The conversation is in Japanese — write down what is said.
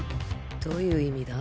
どういう意味だ？